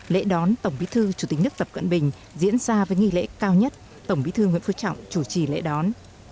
lễ đón tổng bí thư chủ tịch nước tập cận bình diễn ra với nghi lễ cao nhất tổng bí thư nguyễn phú trọng chủ trì lễ đón